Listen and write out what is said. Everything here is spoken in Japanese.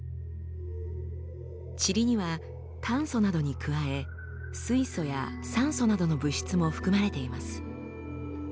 チリには炭素などに加え水素や酸素などの物質も含まれています。